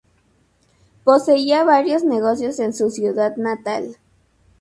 Poseía varios negocios en su ciudad natal.